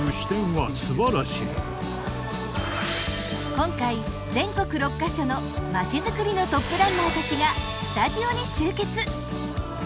今回全国６か所のまちづくりのトップランナーたちがスタジオに集結。